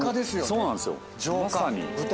そうなんですよまさに。